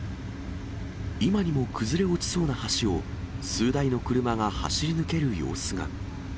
今にも崩れ落ちそうな橋を数台の車が走り抜ける様子が。